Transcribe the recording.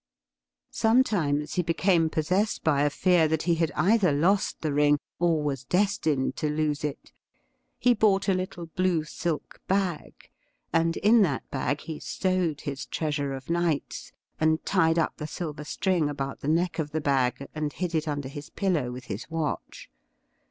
Sometimes he became possessed by a fear that he had either lost the ring or was destined to lose it. He bought a little blue silk bag, and in that bag he stowed his treasure of nights, and tied up the silver string about the neck of the bag, and hid it under his pillow with his watch.